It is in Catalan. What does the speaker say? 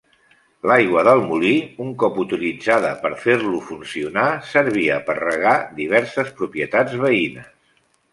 L’aigua del molí un cop utilitzada per fer-lo funcionar, servia per regar diverses propietats veïnes.